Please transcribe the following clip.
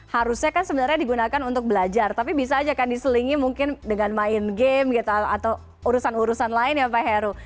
harusnya kan sebenarnya digunakan untuk belajar tapi bisa aja kan diselingi mungkin dengan main game gitu atau urusan urusan lain ya pak heru